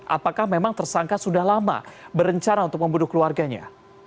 apakah memang tersangka sudah lama berencana untuk membunuh keluarganya